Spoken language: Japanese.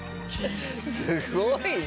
すごいな！